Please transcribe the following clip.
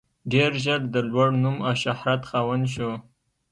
ډېر ژر د لوړ نوم او شهرت خاوند شو.